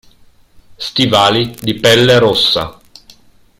Stivali di pelle rossa.